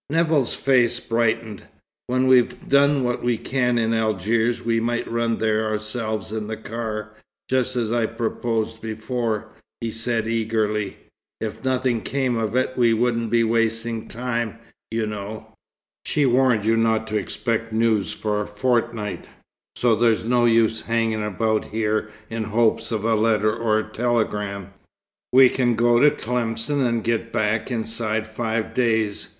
Nevill's face brightened. "When we've done what we can in Algiers, we might run there ourselves in the car, just as I proposed before," he said eagerly. "If nothing came of it, we wouldn't be wasting time, you know. She warned you not to expect news for a fortnight, so there's no use hanging about here in hopes of a letter or telegram. We can go to Tlemcen and get back inside five days.